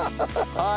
はい。